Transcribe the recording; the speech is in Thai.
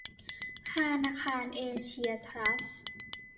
ธนาคารเอเชียทรัสต์